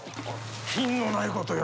品のないことよ。